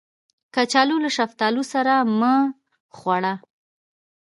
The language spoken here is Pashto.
کچالو له شفتالو سره مه خوړه